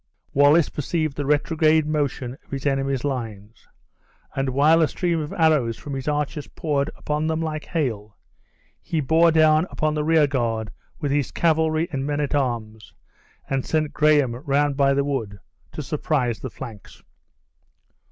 Wallace perceived the retrograde motion of his enemy's lines; and while a stream of arrows from his archers poured upon them like hail, he bore down upon the rear guard with his cavalry and men at arms, and sent Graham round by the wood, to surprise the flanks.